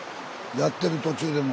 やってる途中でも。